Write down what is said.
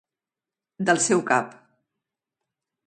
Del seu cap.